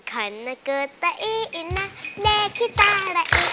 ขนกตาอีนะเนคิตาระอีนะ